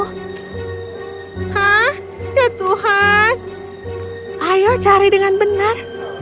hah ya tuhan ayo cari dengan benar